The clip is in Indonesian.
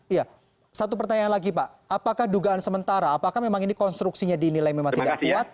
iya satu pertanyaan lagi pak apakah dugaan sementara apakah memang ini konstruksinya dinilai memang tidak kuat